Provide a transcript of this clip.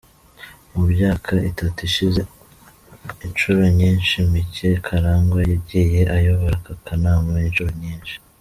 Mu byaka itatu ishize, inshuro nyinshi Mike Karangwa yagiye ayobora aka kanama inshuro nyinshi.